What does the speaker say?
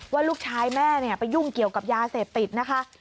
ว่าลูกชายแม่ไปยุ่งเกี่ยวกับยาเสพติดนะคะ